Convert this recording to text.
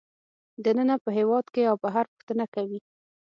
دننه په هېواد کې او بهر پوښتنه کوي